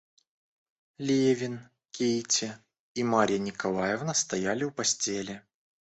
Левин, Кити и Марья Николаевна стояли у постели.